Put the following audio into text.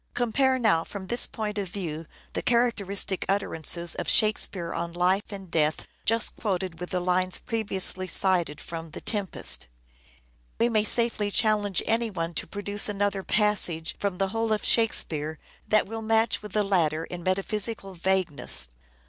Compare now from this point of view the character Muddled istic utterances of Shakespeare on life and death just meta J physics. quoted with the lines previously cited from " The Tempest." We may safely challenge any one to produce another passage from the whole of Shake speare that will match with the latter in metaphysical vagueness.